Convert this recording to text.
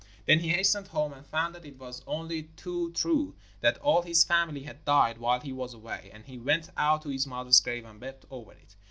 Then he hastened home, and found that it was only too true that all his family had died while he was away; and he went out to his mother's grave and wept over it.